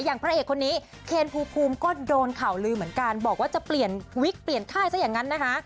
พระเอกคนนี้เคนภูมิก็โดนข่าวลือเหมือนกันบอกว่าจะเปลี่ยนวิกเปลี่ยนค่ายซะอย่างนั้นนะคะ